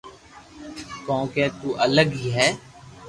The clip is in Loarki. ڪونڪھ تو الگ ھي ھي